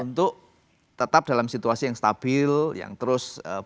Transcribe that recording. untuk tetap dalam situasi yang stabil yang terus bergerak secara berat